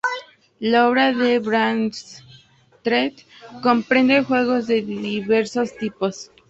La obra de Bradstreet comprende juegos de diversos tipos.